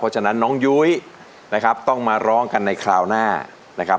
เพราะฉะนั้นน้องยุ้ยต้องมาร้องกันในคราวหน้า